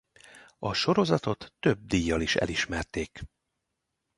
A sorozatot több díjjal is elismerték.